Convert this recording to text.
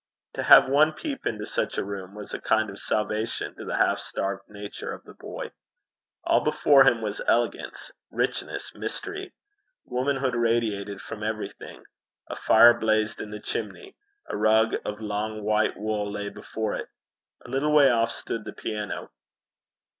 To have one peep into such a room was a kind of salvation to the half starved nature of the boy. All before him was elegance, richness, mystery. Womanhood radiated from everything. A fire blazed in the chimney. A rug of long white wool lay before it. A little way off stood the piano.